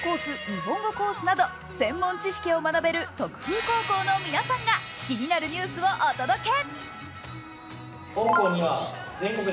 日本語コースなど専門知識を学べる徳風高校の皆さんが気になるニュースをお届け！